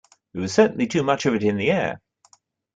There was certainly too much of it in the air.